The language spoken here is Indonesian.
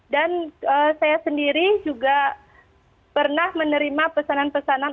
dan saya sendiri juga pernah menerima pesanan pesanan